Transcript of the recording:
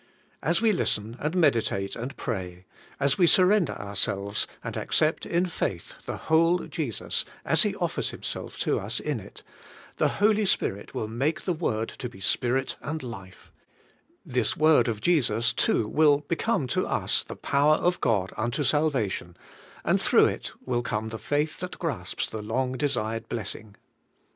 As we listen, and meditate, and pray, — as we surrender ourselves, and accept in faith the whole Jesus as He offers Himself to us in it, — the Holy Spirit will make the word to be spirit and life; this word of Jesus, too, will become to us the power of God unto salvation, and through it will come the faith that grasps the long desired blessing.